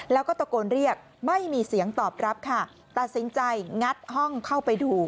แล้วก็ตะโกนเรียกไม่มีเสียงตอบรับค่ะตัดสินใจงัดห้องเข้าไปดู